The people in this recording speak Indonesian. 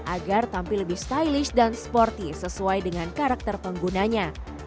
agar tampil lebih stylish dan sporty sesuai dengan karakter penggunanya